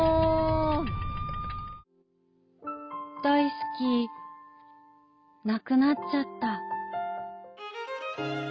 「だいすきなくなっちゃった」。